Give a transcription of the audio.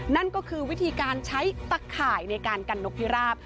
นั่นก็คือวิธีการใช้ตะข่ายในการกันนกพิราบ